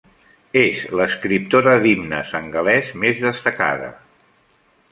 És l'escriptora d'himnes en gal·lès més destacada.